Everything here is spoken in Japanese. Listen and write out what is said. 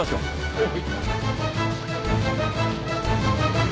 はい。